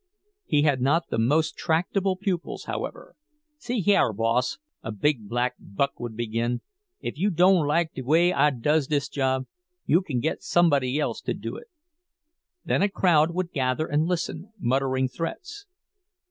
He had not the most tractable pupils, however. "See hyar, boss," a big black "buck" would begin, "ef you doan' like de way Ah does dis job, you kin get somebody else to do it." Then a crowd would gather and listen, muttering threats.